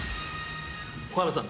◆小山さん